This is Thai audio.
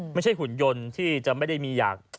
หุ่นยนต์ที่จะไม่ได้มีอยาก